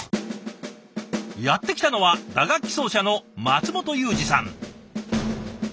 やって来たのは打楽器奏者の松本祐二さん。